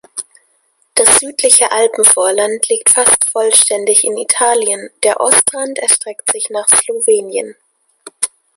Das südliche Alpenvorland liegt fast vollständig in Italien, der Ostrand erstreckt sich nach Slowenien.